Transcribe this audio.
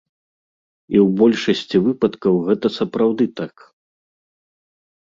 І ў большасці выпадкаў гэта сапраўды так.